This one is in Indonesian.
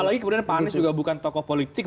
apalagi kemudian pak anies juga bukan tokoh politik